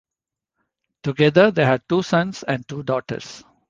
Together they had two sons and two daughters.